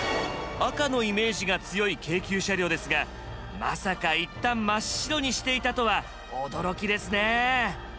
赤のイメージが強い京急車両ですがまさか一旦真っ白にしていたとは驚きですね。